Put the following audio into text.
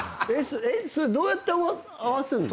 どうやって合わせるの？